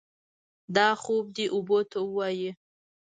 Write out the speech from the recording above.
دا خوب دې اوبو ته ووايي.